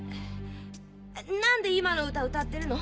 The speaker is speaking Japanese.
何で今の歌歌ってるの？